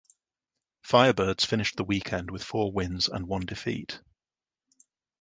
Firebirds finished the weekend with four wins and one defeat.